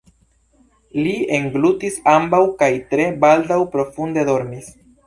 Li englutis ambaŭ kaj tre baldaŭ profunde dormis.